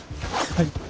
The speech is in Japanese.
はい。